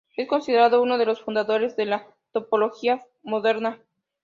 Es considerado uno de los fundadores de la Topología moderna.